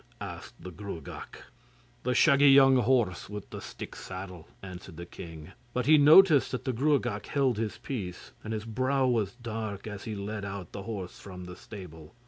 asked the Gruagach. 'The shaggy young horse with the stick saddle,' answered the king, but he noticed that the Gruagach held his peace, and his brow was dark as he led out the horse from the stable.